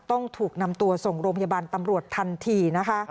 ต้องถูกนำตัวส่งโรงพยาบาลตำรวจทันทีนะคะ